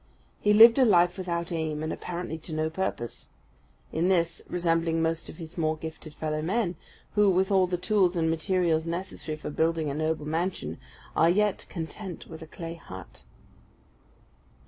He lived a life without aim, and apparently to no purpose; in this resembling most of his more gifted fellow men, who, with all the tools and materials necessary for building a noble mansion, are yet content with a clay hut.